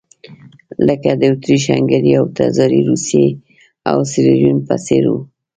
لکه د اتریش-هنګري او تزاري روسیې او سیریلیون په څېر وو.